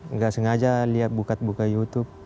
nggak sengaja liat buka buka youtube